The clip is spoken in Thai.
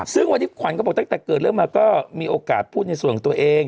ซึ่งวันนี้ขวัญก็บอกตั้งแต่เกิดเรื่องมาก็มีโอกาสพูดในส่วนตัวเอง